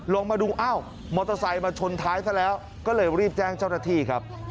ลงมาดูอ้าวมอเตอร์ไซค์มาชนท้ายซะแล้วก็เลยรีบแจ้งเจ้าหน้าที่ครับ